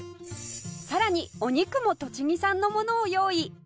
更にお肉も栃木産のものを用意